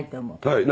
はい。